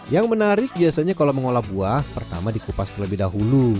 yang menarik biasanya kalau mengolah buah pertama dikupas terlebih dahulu